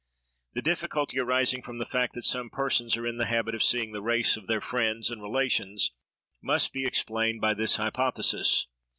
The difficulty arising from the fact that some persons are in the habit of seeing the wraiths of their friends and relations, must be explained by his hypothesis.